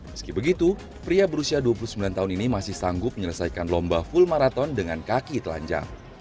meski begitu pria berusia dua puluh sembilan tahun ini masih sanggup menyelesaikan lomba full maraton dengan kaki telanjang